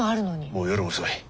もう夜も遅い。